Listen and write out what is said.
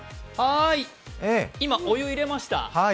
今、お湯を入れました。